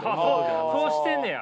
そうしてんねや。